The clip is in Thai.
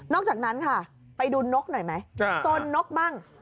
อกจากนั้นค่ะไปดูนกหน่อยไหมโซนนกบ้าง